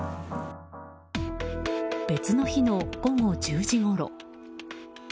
別の日の午後１０時ごろ。